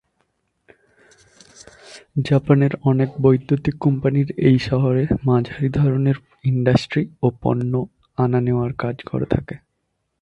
জাপানের অনেক বৈদ্যুতিক কোম্পানির এই শহরে মাঝারী ধরনের ইন্ডাস্ট্রি ও পণ্য আনা নেওয়ার কাজ করে থাকে।